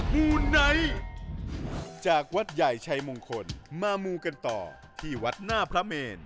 มูไนท์จากวัดใหญ่ชัยมงคลมามูกันต่อที่วัดหน้าพระเมน